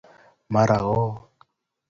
Mara ooo